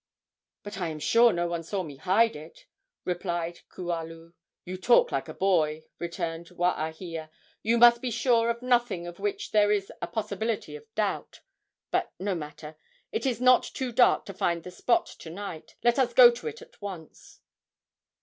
"But I am sure no one saw me hide it," replied Kualu. "You talk like a boy," returned Waahia. "You must be sure of nothing of which there is a possibility of doubt. But no matter. It is not too dark to find the spot to night. Let us go to it at once."